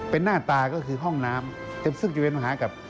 เป็นหน้าตาก็คือห้องน้ำ